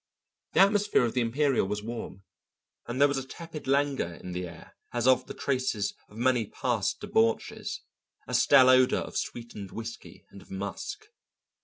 The atmosphere of the Imperial was warm and there was a tepid languor in the air as of the traces of many past debauches, a stale odour of sweetened whisky and of musk.